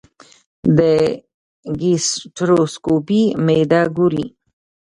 د ګیسټروسکوپي معده ګوري.